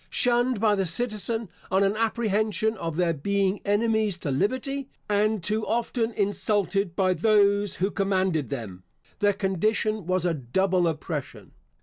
Shunned by the citizen on an apprehension of their being enemies to liberty, and too often insulted by those who commanded them, their condition was a double oppression.